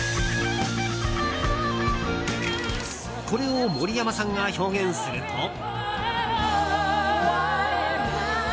これを森山さんが表現すると。